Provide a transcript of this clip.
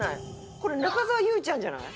これ中澤ゆうちゃんじゃない？